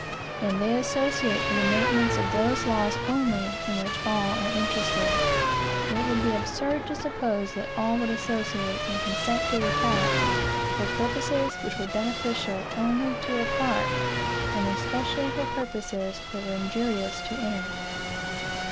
And they associate for the maintenance of those laws only, in which allare interested. It would be absurd to suppose that all would associate, and consent to be taxed, for purposes which were beneficial only to a part; and especially for purposes that were injurious to any.